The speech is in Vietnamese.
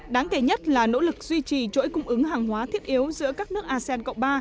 đáng kể nhất là nỗ lực duy trì chuỗi cung ứng hàng hóa thiết yếu giữa các nước asean cộng ba